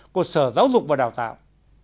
cộng sở giáo dục và đào tạo